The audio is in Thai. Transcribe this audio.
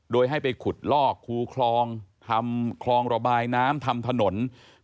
โดยให้ไปขุดลอกคูคลองทำคลองระบายน้ำทำถนน